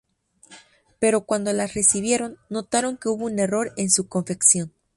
Pero cuando las recibieron, notaron que hubo un error en su confección.